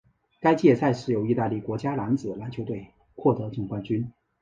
该届赛事由义大利国家男子篮球队获得总冠军。